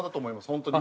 本当に。